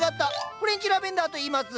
「フレンチラベンダー」といいます。